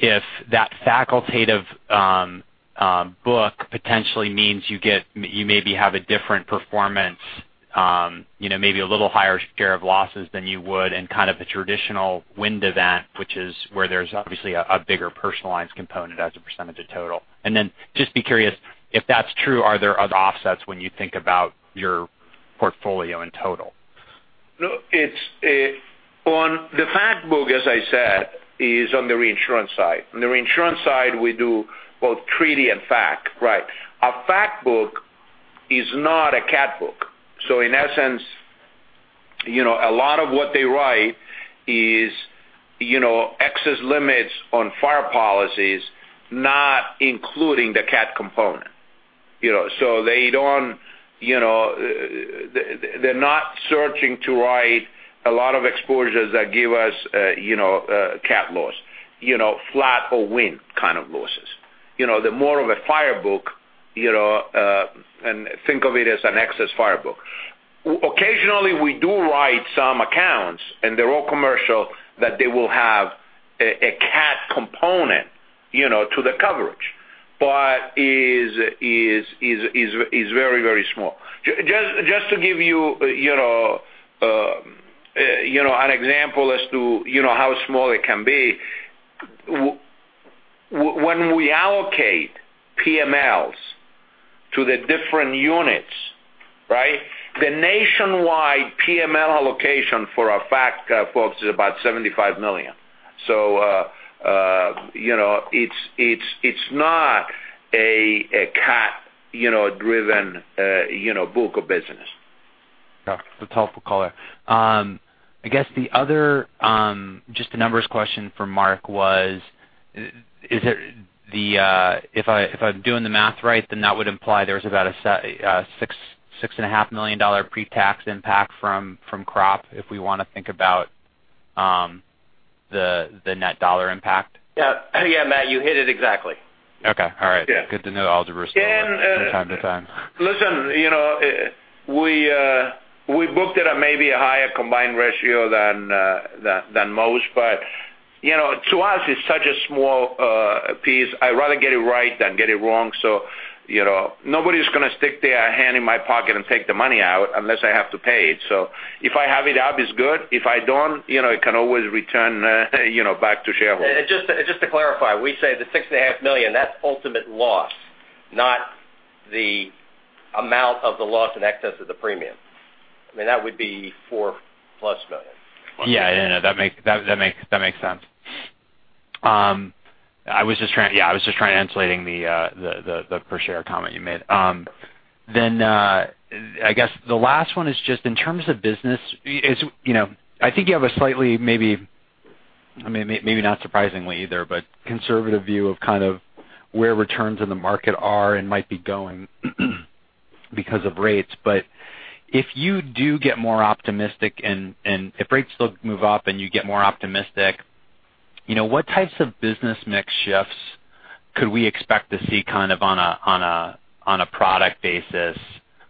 if that facultative book potentially means you maybe have a different performance, maybe a little higher share of losses than you would in kind of a traditional wind event, which is where there's obviously a bigger personal lines component as a percentage of total. Just be curious if that's true, are there other offsets when you think about your portfolio in total? No. On the fac book, as I said, is on the reinsurance side. On the reinsurance side, we do both treaty and fac, right. A fac book is not a cat book. In essence, a lot of what they write is excess limits on fire policies, not including the cat component. They're not searching to write a lot of exposures that give us cat loss, flood or wind kind of losses. They're more of a fire book, and think of it as an excess fire book. Occasionally, we do write some accounts, and they're all commercial, that they will have a cat component to the coverage. It's very, very small. Just to give you an example as to how small it can be, when we allocate PMLs to the different units, the nationwide PML allocation for our fac folks is about $75 million. It's not a cat-driven book of business. Yeah. That's a helpful color. I guess the other, just the numbers question for Mark was, if I'm doing the math right, that would imply there's about a $6.5 million pre-tax impact from crop, if we want to think about. The net dollar impact? Yeah, Matt, you hit it exactly. Okay. All right. Yeah. Good to know algebra's still- And- with from time to time. Listen, we booked it at maybe a higher combined ratio than most, but to us, it's such a small piece. I'd rather get it right than get it wrong. Nobody's going to stick their hand in my pocket and take the money out unless I have to pay it. If I have it, obvious good. If I don't, it can always return back to shareholders. Just to clarify, we say the six and a half million, that's ultimate loss, not the amount of the loss in excess of the premium. I mean, that would be $4+ million. No, that makes sense. I was just trying to translate the per share comment you made. I guess the last one is just in terms of business, I think you have a slightly, maybe not surprisingly either, but conservative view of kind of where returns in the market are and might be going because of rates. If you do get more optimistic, and if rates still move up and you get more optimistic, what types of business mix shifts could we expect to see on a product basis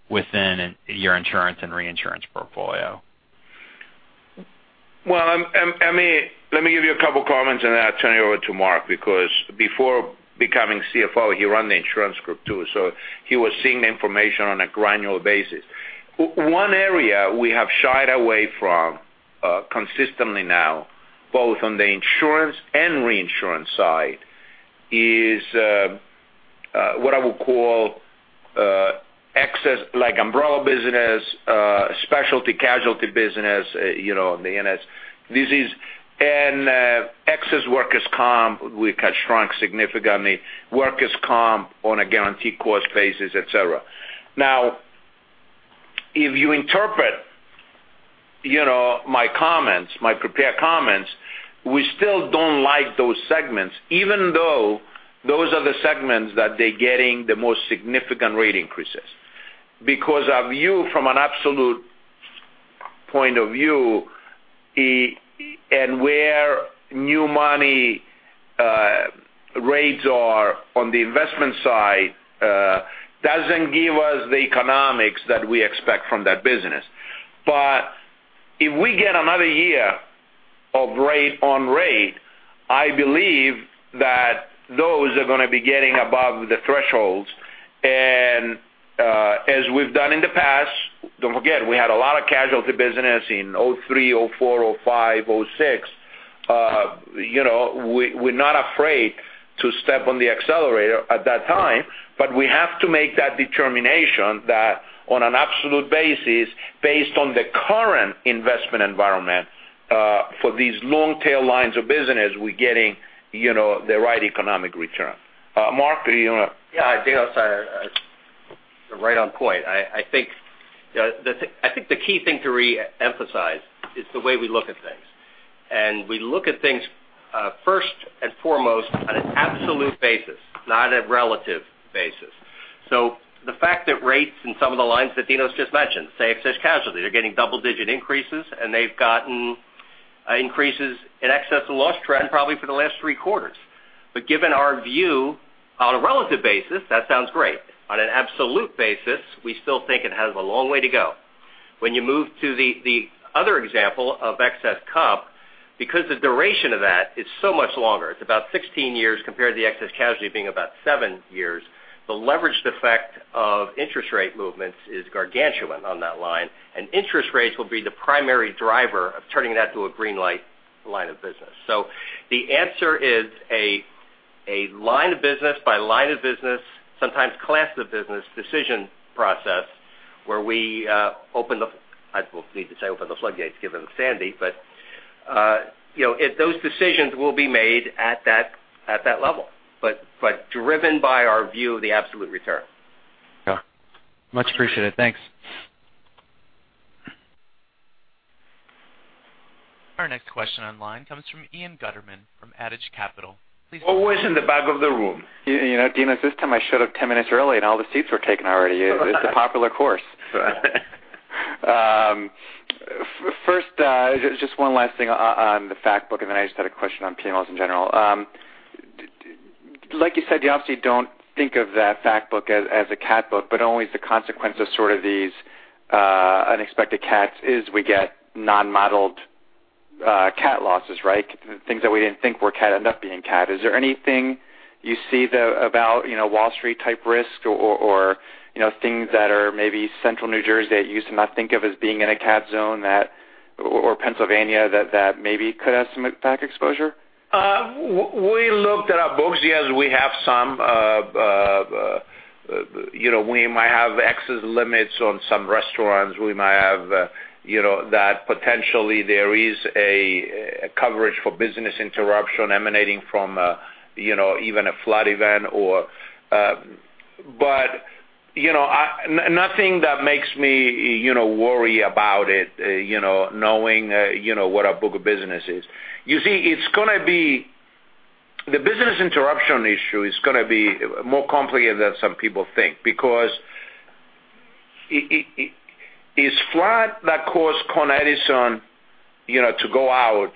within your insurance and reinsurance portfolio? Well, let me give you a couple comments and then I'll turn it over to Mark, because before becoming CFO, he ran the Arch Insurance Group too. He was seeing the information on a granular basis. One area we have shied away from consistently now, both on the insurance and reinsurance side, is what I would call excess like umbrella business, specialty casualty business, and excess workers' comp, which has shrunk significantly, workers' comp on a guaranteed cost basis, et cetera. If you interpret my prepared comments, we still don't like those segments, even though those are the segments that they're getting the most significant rate increases because our view from an absolute point of view, and where new money rates are on the investment side, doesn't give us the economics that we expect from that business. If we get another year of rate on rate, I believe that those are going to be getting above the thresholds. As we've done in the past, don't forget, we had a lot of casualty business in 2003, 2004, 2005, 2006. We're not afraid to step on the accelerator at that time, but we have to make that determination that on an absolute basis, based on the current investment environment for these long tail lines of business, we're getting the right economic return. Mark, do you want to? Yeah, Dinos. Right on point. I think the key thing to re-emphasize is the way we look at things. We look at things first and foremost on an absolute basis, not a relative basis. The fact that rates in some of the lines that Dinos just mentioned, say excess casualty, they're getting double-digit increases, and they've gotten increases in excess of loss trend probably for the last three quarters. Given our view on a relative basis, that sounds great. On an absolute basis, we still think it has a long way to go. When you move to the other example of excess comp, because the duration of that is so much longer, it's about 16 years compared to the excess casualty being about seven years, the leveraged effect of interest rate movements is gargantuan on that line, and interest rates will be the primary driver of turning that to a green light line of business. The answer is a line of business by line of business, sometimes class of business decision process where we open the floodgates given Sandy, but those decisions will be made at that level, but driven by our view of the absolute return. Yeah. Much appreciated. Thanks. Our next question online comes from Ian Gutterman from Adage Capital. Please go ahead. Always in the back of the room. Dinos, this time I showed up 10 minutes early and all the seats were taken already. It's a popular course. Right. First, just one last thing on the fact book, and then I just had a question on P&Ls in general. Like you said, you obviously don't think of that fact book as a cat book, but only as the consequence of sort of these unexpected cats is we get non-modeled cat losses, right? Things that we didn't think were cat end up being cat. Is there anything you see though about Wall Street type risk or things that are maybe central New Jersey that you used to not think of as being in a cat zone, or Pennsylvania that maybe could have some fac exposure? We looked at our books. Yes, we might have excess limits on some restaurants. We might have that potentially there is a coverage for business interruption emanating from even a flood event or Nothing that makes me worry about it knowing what our book of business is. You see, the business interruption issue is going to be more complicated than some people think because Is flood that caused Consolidated Edison to go out,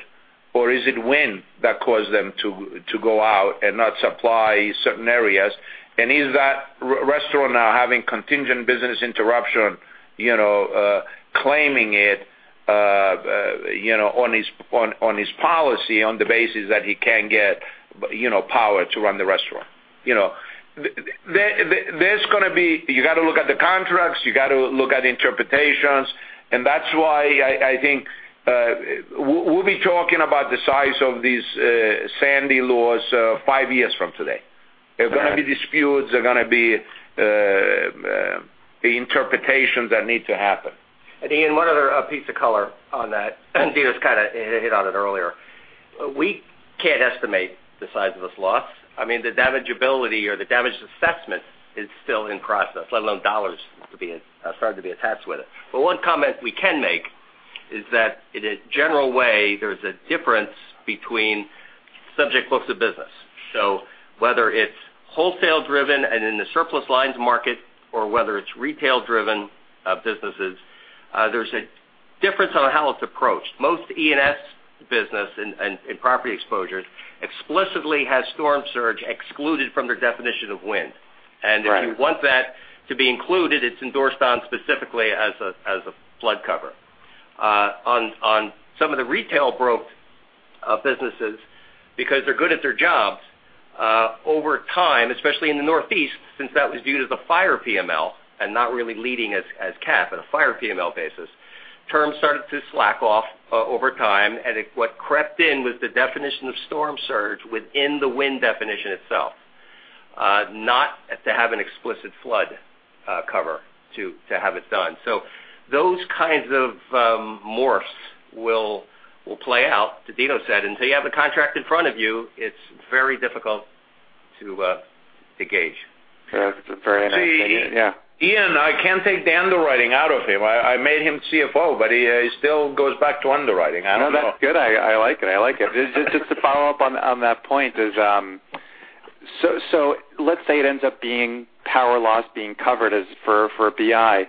or is it wind that caused them to go out and not supply certain areas? Is that restaurant now having contingent business interruption, claiming it on his policy on the basis that he can't get power to run the restaurant? You got to look at the contracts, you got to look at interpretations, and that's why I think we'll be talking about the size of these Sandy losses five years from today. Right. There are going to be disputes, there are going to be interpretations that need to happen. Ian, one other piece of color on that, Dinos kind of hit on it earlier. We can't estimate the size of this loss. I mean, the damageability or the damage assessment is still in process, let alone dollars starting to be attached with it. One comment we can make is that in a general way, there's a difference between subject books of business. So whether it's wholesale driven and in the surplus lines market or whether it's retail driven businesses, there's a difference on how it's approached. Most E&S business and property exposures explicitly has storm surge excluded from their definition of wind. Right. If you want that to be included, it's endorsed on specifically as a flood cover. On some of the retail brokers' businesses, because they're good at their jobs, over time, especially in the Northeast, since that was viewed as a fire PML and not really leading as cap on a fire PML basis, terms started to slack off over time, and what crept in was the definition of storm surge within the wind definition itself. Not to have an explicit flood cover to have it done. So those kinds of morphs will play out. As Dinos said, until you have a contract in front of you, it's very difficult to gauge. That's very nice. Yeah. Ian, I can't take the underwriting out of him. I made him CFO, but he still goes back to underwriting. I don't know. That's good. I like it. Just to follow up on that point is, let's say it ends up being power loss being covered as for BI.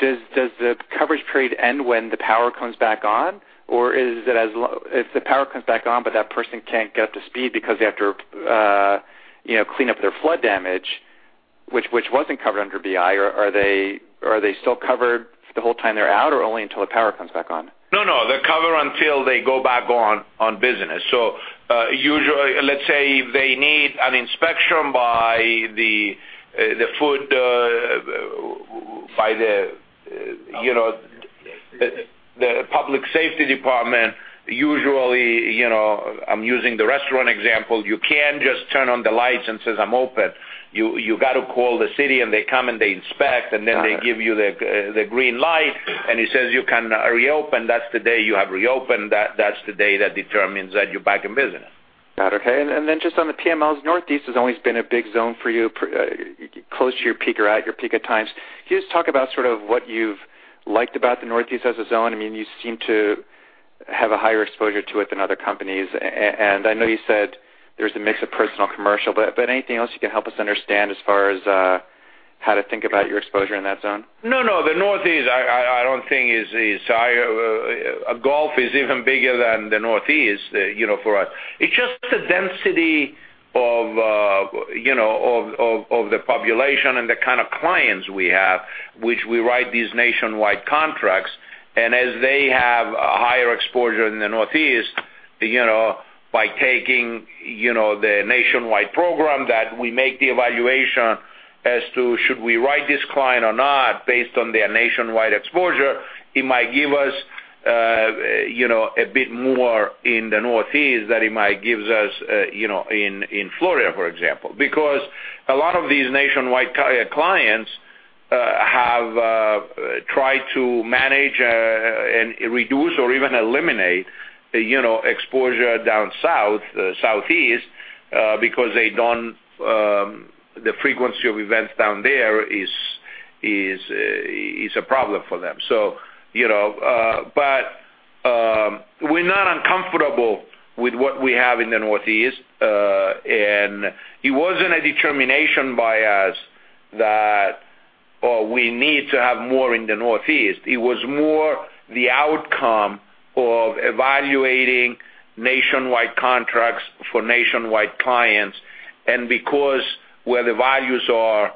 Does the coverage period end when the power comes back on? Or if the power comes back on, but that person can't get up to speed because they have to clean up their flood damage, which wasn't covered under BI, are they still covered the whole time they're out, or only until the power comes back on? They're covered until they go back on business. Usually, let's say they need an inspection by the food, by the public safety department. Usually, I'm using the restaurant example, you can't just turn on the lights and says, "I'm open." You got to call the city, and they come, and they inspect, and then they give you the green light, and it says you can reopen. That's the day you have reopened. That's the day that determines that you're back in business. Got it. Okay. Just on the PMLs, Northeast has always been a big zone for you, close to your peak or at your peak at times. Can you just talk about sort of what you've liked about the Northeast as a zone? I mean, you seem to have a higher exposure to it than other companies, and I know you said there's a mix of personal commercial, but anything else you can help us understand as far as how to think about your exposure in that zone? No. The Northeast, I don't think is higher. Gulf is even bigger than the Northeast for us. It's just the density of the population and the kind of clients we have, which we write these nationwide contracts, and as they have a higher exposure in the Northeast by taking the nationwide program that we make the evaluation as to should we write this client or not based on their nationwide exposure, it might give us a bit more in the Northeast than it might give us in Florida, for example. A lot of these nationwide clients have tried to manage and reduce or even eliminate exposure down Southeast because the frequency of events down there is a problem for them. We're not uncomfortable with what we have in the Northeast. It wasn't a determination by us that we need to have more in the Northeast. It was more the outcome of evaluating nationwide contracts for nationwide clients. Because where the values are,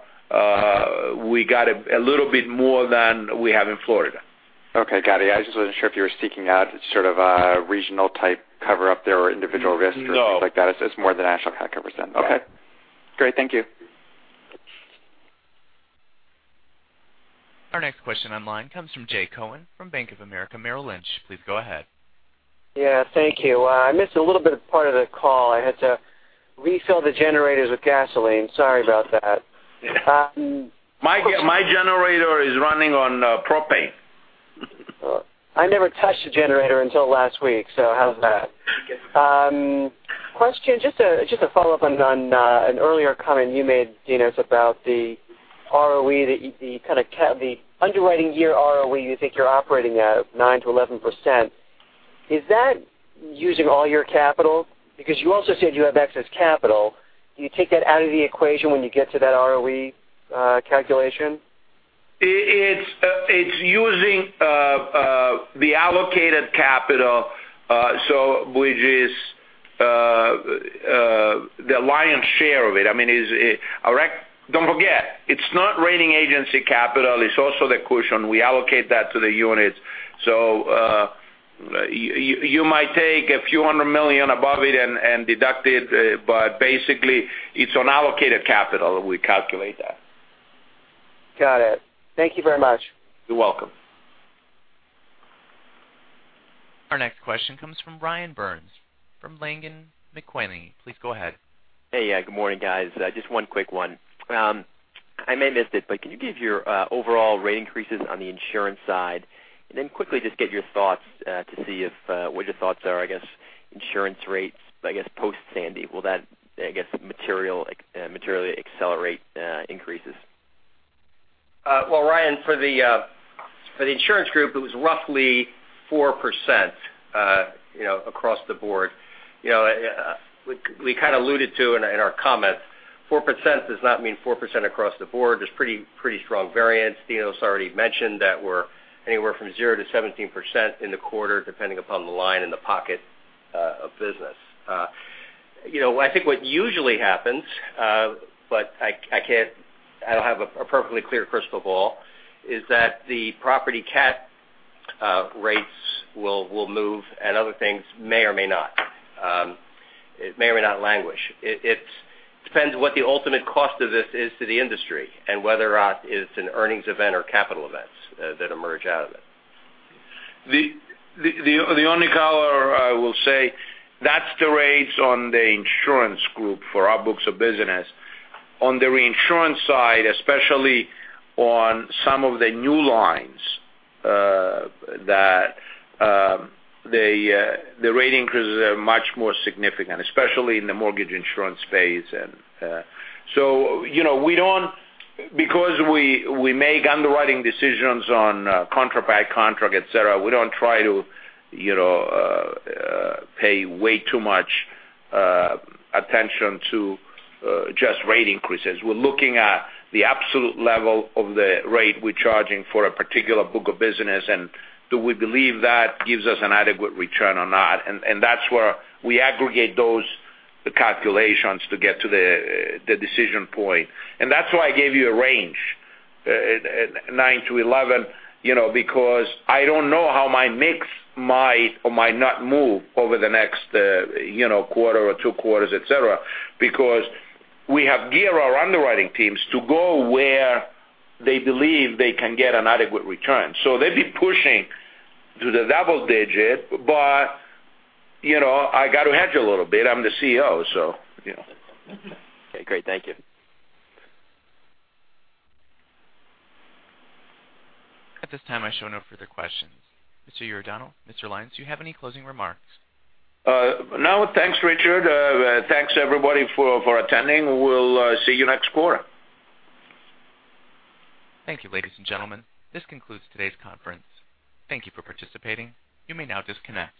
we got a little bit more than we have in Florida. Okay, got it. I just wasn't sure if you were seeking out sort of a regional type cover up there or individual risk or anything like that. No. It's more the national type cover then. Okay. Great. Thank you. Our next question online comes from Jay Cohen from Bank of America Merrill Lynch. Please go ahead. Yeah, thank you. I missed a little bit of part of the call. I had to refill the generators with gasoline. Sorry about that. My generator is running on propane. I never touched a generator until last week, so how's that? Question, just a follow-up on an earlier comment you made, Dinos, about the ROE, the underwriting year ROE you think you're operating at of 9%-11%. Is that using all your capital? You also said you have excess capital. Do you take that out of the equation when you get to that ROE calculation? It's using the allocated capital, which is the lion's share of it. Don't forget, it's not rating agency capital. It's also the cushion. We allocate that to the units. You might take a few hundred million above it and deduct it, but basically it's on allocated capital that we calculate that. Got it. Thank you very much. You're welcome. Our next question comes from Ryan Burns from Langan Mackinlay. Please go ahead. Hey. Good morning, guys. Just one quick one. I may have missed it. Can you give your overall rate increases on the insurance side? Quickly just give your thoughts to see what your thoughts are, I guess insurance rates, I guess post Sandy, will that materially accelerate increases? Well, Ryan, for the insurance group, it was roughly 4% across the board. We kind of alluded to in our comments, 4% does not mean 4% across the board. There's pretty strong variance. Dino already mentioned that we're anywhere from 0 to 17% in the quarter, depending upon the line and the pocket of business. I think what usually happens, but I don't have a perfectly clear crystal ball, is that the property cat rates will move and other things may or may not languish. It depends what the ultimate cost of this is to the industry and whether or not it's an earnings event or capital events that emerge out of it. The only color I will say, that's the rates on the insurance group for our books of business. On the reinsurance side, especially on some of the new lines, the rate increases are much more significant, especially in the mortgage insurance space. Because we make underwriting decisions on contract by contract, et cetera, we don't try to pay way too much attention to just rate increases. We're looking at the absolute level of the rate we're charging for a particular book of business, and do we believe that gives us an adequate return or not. That's where we aggregate those calculations to get to the decision point. That's why I gave you a range, 9 to 11, because I don't know how my mix might or might not move over the next quarter or two quarters, et cetera, because we have geared our underwriting teams to go where they believe they can get an adequate return. They'd be pushing to the double digit. I got to hedge a little bit. I'm the CEO. Okay, great. Thank you. At this time, I show no further questions. Mr. Dinos Iordanou, Mr. Lyons, do you have any closing remarks? No. Thanks, Richard. Thanks, everybody, for attending. We'll see you next quarter. Thank you, ladies and gentlemen. This concludes today's conference. Thank you for participating. You may now disconnect.